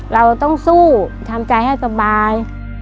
เราต้องสู้ทำใจให้สบาย